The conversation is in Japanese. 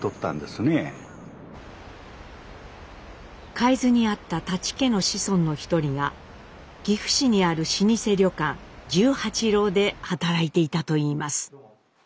海津にあった舘家の子孫の一人が岐阜市にある老舗旅館十八楼で働いていたといいます。